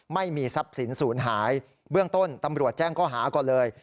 ไม่มีทรัพย์สินศูนย์หายเบื้องต้นตำรวจแจ้งข้อหาก่อนเลย